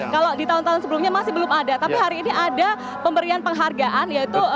kalau di tahun tahun sebelumnya masih belum ada tapi hari ini ada pemberian penghargaan yaitu